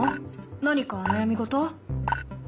何か悩み事？